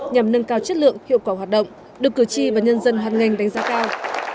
nhằm nâng cao chất lượng hiệu quả hoạt động được cử tri và nhân dân hoàn ngành đánh giá cao